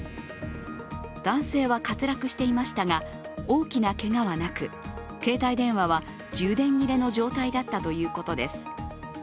男性は滑落していましたが大きなけがはなく携帯電話は充電切れの状態だったということです。